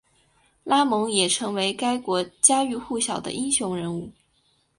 拉蒙也成为该国家喻户晓的英雄人物。